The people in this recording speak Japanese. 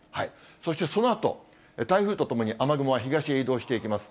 そしてそのあと、台風と共に、雨雲は東へ移動していきます。